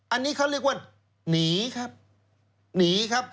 อันนี้เขาเรียกว่าหนีครับหนีครับ